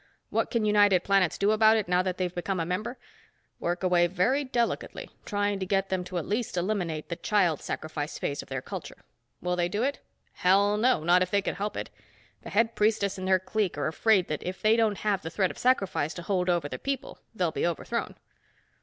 What can United Planets do about it, now that they've become a member? Work away very delicately, trying to get them to at least eliminate the child sacrifice phase of their culture. Will they do it? Hell no, not if they can help it. The Head Priestess and her clique are afraid that if they don't have the threat of sacrifice to hold over the people, they'll be overthrown."